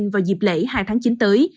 vào dịp lễ hai tháng chín tới